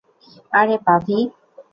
আরে, পাভি!